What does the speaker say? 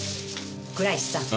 倉石さん。